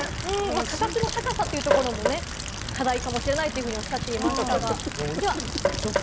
価格の高さというところも課題かもしれないとおっしゃっていましたが。